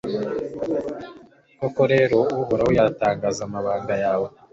koko rero, uhoraho yatangaza amabanga yawe